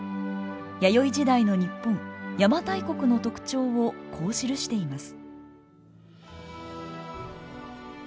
弥生時代の日本邪馬台国の特徴をこう記しています。